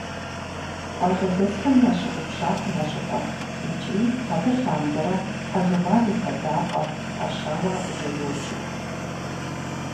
Къуажэдэсхэм ящыгъупщакъым а щӏыпӏэр икӏи абы лъандэрэ «Хьэжумар и хадапӏэ» фӏащауэ абыкӏэ йоджэ.